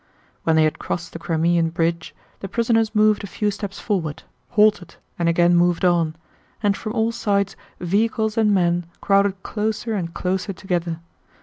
When they had crossed the Crimean bridge the prisoners moved a few steps forward, halted, and again moved on, and from all sides vehicles and men crowded closer and closer together.